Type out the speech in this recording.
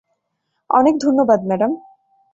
অনেক ধন্যবাদ, ম্যাডাম।